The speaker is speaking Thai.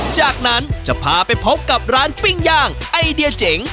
จากนั้นจะพาไปพบกับร้านปิ้งย่างไอเดียเจ๋ง